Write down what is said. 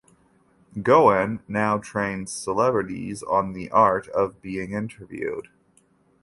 Goen now trains celebrities on the art of being interviewed.